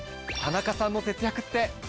田中さんの節約って。